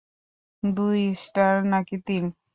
দুই স্টার নাকি তিন?